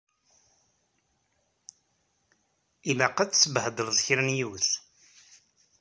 Ilaq ad tsebhedleḍ kra n yiwet.